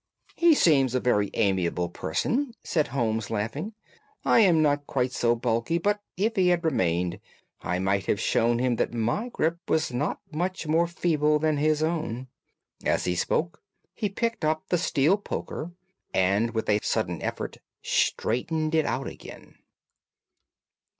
"He seems a very amiable person," said Holmes, laughing. "I am not quite so bulky, but if he had remained I might have shown him that my grip was not much more feeble than his own." As he spoke he picked up the steel poker and, with a sudden effort, straightened it out again.